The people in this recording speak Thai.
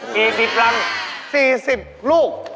กี่สิบรังครับ๔๐ลูก